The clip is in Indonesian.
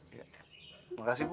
ya makasih bu